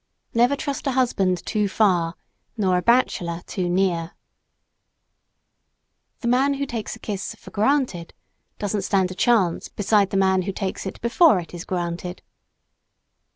Never trust a husband too far, nor a bachelor too near. The man who takes a kiss "for granted" doesn't stand a chance beside the man who takes it before it is granted.